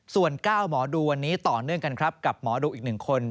ส่วน๙หมอดูวันนี้ต่อเนื่องกันครับกับหมอดูอีก๑คน